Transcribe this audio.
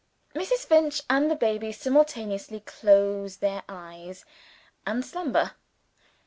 Mrs. Finch and the baby simultaneously close their eyes in slumber.